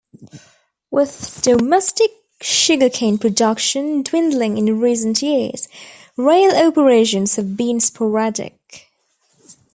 With domestic sugarcane production dwindling in recent years, rail operations have been sporadic.